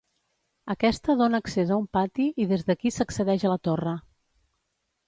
Aquesta dóna accés a un pati i des d'aquí s'accedeix a la torre.